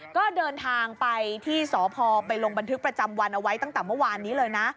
ก็เดินทางไปที่สพไปลงบันทึกประจำวันเอาไว้ตั้งแต่เมื่อวานนี้เลยนะ